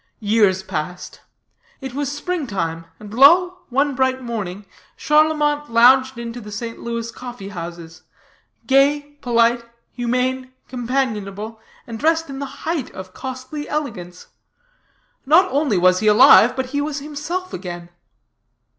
"Years passed. It was spring time, and lo, one bright morning, Charlemont lounged into the St. Louis coffee houses gay, polite, humane, companionable, and dressed in the height of costly elegance. Not only was he alive, but he was himself again.